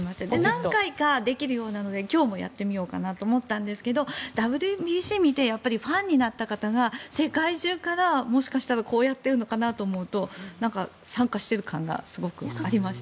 何回かできるようなので今日もやってみようかなと思ったんですけどＷＢＣを見てファンになった方が世界中からもしかしたらこうやってるのかなと思うと参加している感がすごくありました。